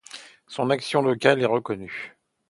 Son action locale est reconnue.